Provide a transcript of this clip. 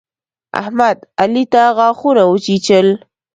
احمد، علي ته غاښونه وچيچل.